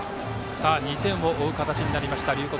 ２点を追う形になった龍谷